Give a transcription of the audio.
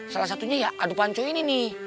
salah satunya ya adupan cuy ini nih